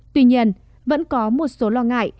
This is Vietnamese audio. tuy nhiên vẫn có một số lo ngại